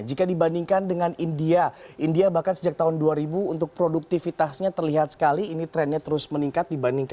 jika dibandingkan dengan india india bahkan sejak tahun dua ribu untuk produktivitasnya terlihat sekali ini trennya terus meningkat